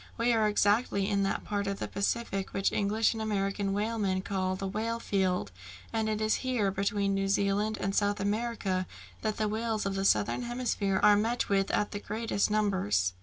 "We are exactly in that part of the Pacific which English and American whalemen call the whale field, and it is here, between New Zealand and South America, that the whales of the southern hemisphere are met with in the greatest numbers."